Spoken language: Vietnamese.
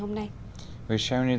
đồng tình với mọi người